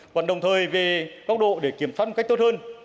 còn đồng thời về góc độ để kiểm soát một cách tốt hơn